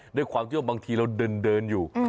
แด่ความที่บางทีเราเดินอยู่